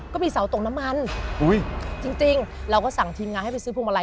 ก็มีเสาตกน้ำมันอุ้ยจริงเราก็สั่งทีมงานให้ไปซื้อพวงมาล